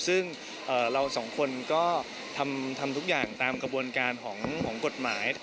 ซึ่งเราสองคนก็ทำทุกอย่างตามกระบวนการของกฎหมาย